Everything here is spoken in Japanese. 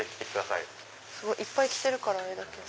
いっぱい着てるからあれだけど。